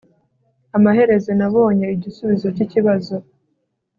amaherezo nabonye igisubizo cyikibazo